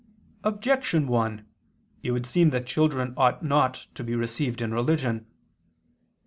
Objection 1: It would seem that children ought not to be received in religion.